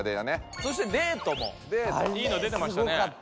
そして「デート」もいいの出てましたね。